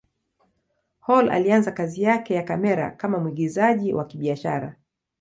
Hall alianza kazi yake ya kamera kama mwigizaji wa kibiashara.